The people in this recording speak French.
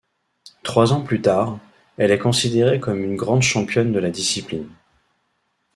Trois ans plus tard, elle est considérée comme une grande championne de la discipline.